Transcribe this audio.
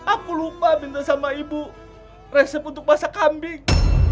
aku lupa minta sama ibu resep untuk masak kambing